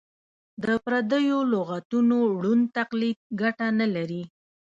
د پردیو لغتونو ړوند تقلید ګټه نه لري.